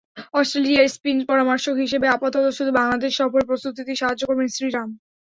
অস্ট্রেলিয়ার স্পিন পরামর্শক হিসেবে আপাতত শুধু বাংলাদেশ সফরের প্রস্তুতিতেই সাহায্য করবেন শ্রীরাম।